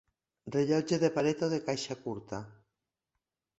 Rellotge de paret o de caixa curta.